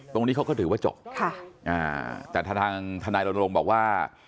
ตรงนี้เขาก็ถือว่าจบแต่ทางทนายลงบอกว่า